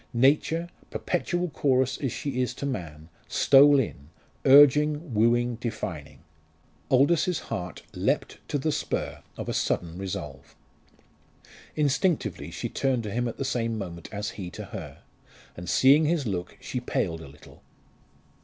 Nature, perpetual chorus as she is to man, stole in, urging, wooing, defining. Aldous's heart leapt to the spur of a sudden resolve. Instinctively she turned to him at the same moment as he to her, and seeing his look she paled a little.